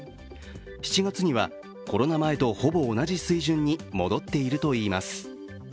７月にはコロナ前とほぼ同じ水準に戻っているといいます。